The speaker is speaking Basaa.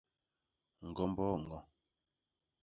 Ñgombo ño.